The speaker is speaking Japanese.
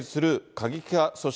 過激派組織